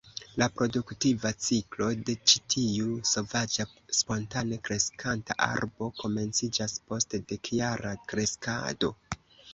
La produktiva ciklo de ĉi tiu sovaĝa spontane kreskanta arbo komenciĝas post dekjara kreskado.